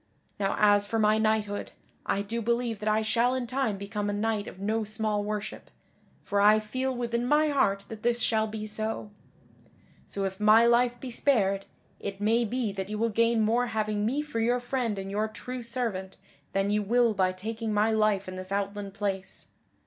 Now as for my knighthood, I do believe that I shall in time become a knight of no small worship, for I feel within my heart that this shall be so. So if my life be spared, it may be that you will gain more having me for your friend and your true servant than you will by taking my life in this outland place.